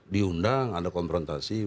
diundang ada konfrontasi